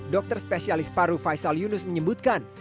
dokter spesialis paru faisal yunus menyebutkan